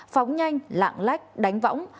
phóng nhanh lạng lách đánh võng